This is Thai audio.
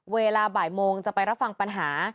เวลาบ่ายโมงจะไปรับฟังปัญหา